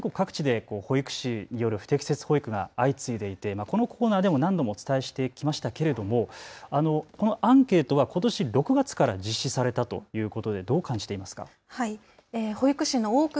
桑原さん、去年は全国各地で保育士による不適切保育が相次いでいてこのコーナーでも何度もお伝えしてきましたけれどもこのアンケートはことし６月から実施されたということでどう感じていますか。